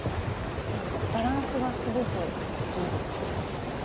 何かバランスがすごくいいです。